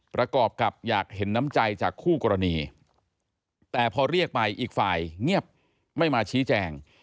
ประกอบกับอยากเห็นน้ำใจจากคู่กรณีแต่พอเรียกไปอีกฝ่ายเงียบไม่มาชี้แจง